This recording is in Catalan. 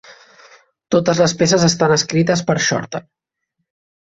Totes les peces estan escrites per Shorter.